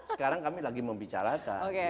sekarang kami lagi membicarakan